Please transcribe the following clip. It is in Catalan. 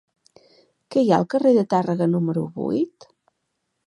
Què hi ha al carrer de Tàrrega número vuit?